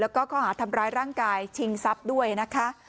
แล้วก็ข้อหาทำร้ายร่างกายชิงทรัพย์ด้วยนะคะ